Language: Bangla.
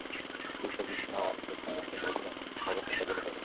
উষ্ণ গ্রীষ্ম এবং বেশ ঠান্ডা শীতের সাথে তুলনামূলকভাবে হালকা জলবায়ু রয়েছে।